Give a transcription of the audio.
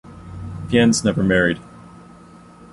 Fiennes never married.